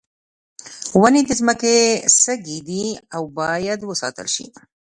ونې د ځمکې سږی دي او باید وساتل شي.